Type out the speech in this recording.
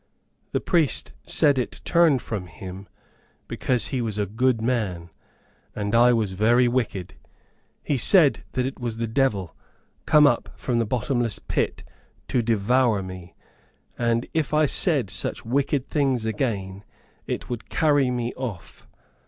The priest said it turned from him, because he was a good man, and I was very wicked. He said that it was the devil, come up from the bottomless pit to devour me; and if I said such wicked words again, it would carry me off.